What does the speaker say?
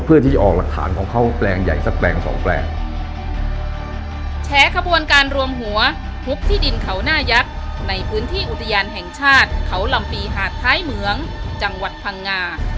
เพื่อที่จะออกหลักฐานของเขาแปลงใหญ่สักแปลง๒แปลง